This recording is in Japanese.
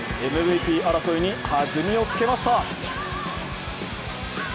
ＭＶＰ争いにはずみをつけました。